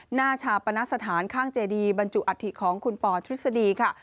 หน้าชาปนสถานข้างเจดีบรรจุอัฐิของคุณปอทฤษฎีค่ะ